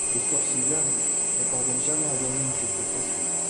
Les forces Yuan ne parviennent jamais à gagner une tête de pont.